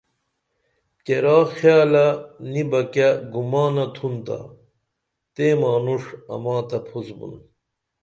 کیرا خیالہ نی بہ کیہ گمانہ تُھن تا تیں مانُݜن اما تہ پُھس بُن